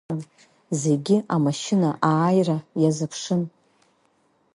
Зегьы амашьына ааира иазыԥшын.